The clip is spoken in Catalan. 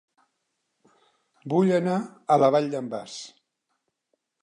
Vull anar a La Vall d'en Bas